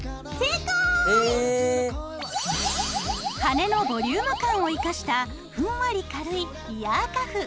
羽根のボリューム感を生かしたふんわり軽いイヤーカフ。